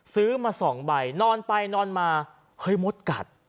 ซื้อมา๒ใบนอนไปนอนมาเฮ้ยมดกัด